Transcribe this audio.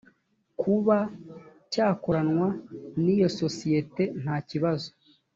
kuba cyakoranwa n iyo sosiyete ntakibazo